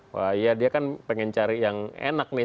wah iya dia kan pengen cari yang enak nih